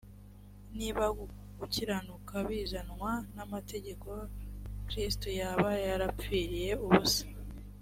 niba gukiranuka bizanwa n amategeko kristo yaba yarapfriye ubusa